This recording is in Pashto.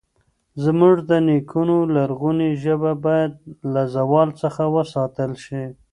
زموږ د نیکونو لرغونې ژبه باید له زوال څخه وساتل شي.